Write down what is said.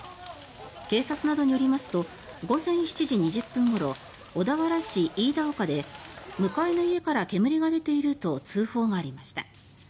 警察などによりますと午前７時２０分ごろ小田原市飯田岡で向かいの家から煙が出ていると通報がありました。